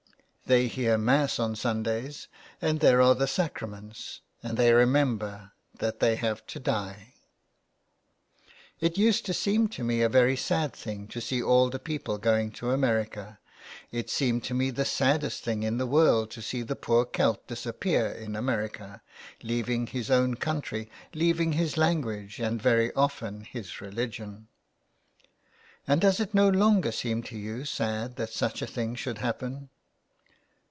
They hear Mass on Sundays, and there are the Sacraments, and they remember that they have to die. It used to seem to me a very sad thing to see all the people going to America ; it seemed to me the saddest thing in the world to see the poor Celt disappear in America, leaving his own country, leaving his language, and very often his religion." " And does it no longer seem to you sad that such a thing should happen